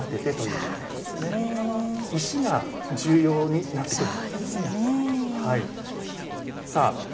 石が重要になってくるという。